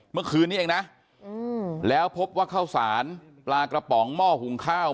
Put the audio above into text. เมื่อคืนนี้เองนะแล้วพบว่าข้าวสารปลากระป๋องหม้อหุงข้าว